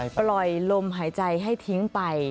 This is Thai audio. ปล่อยลมหายใจให้ทิ้งไป